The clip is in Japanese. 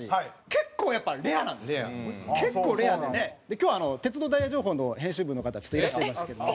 今日『鉄道ダイヤ情報』の編集部の方ちょっといらしていますけども。